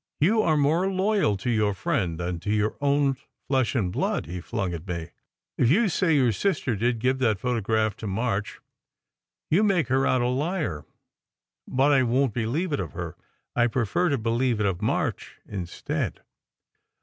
"You are more loyal to your friend than to your own flesh and blood," he flung at me. "If you say your sister did give that photograph to March, you make her out a liar. But I won t believe it of her. I prefer to believe it of March instead."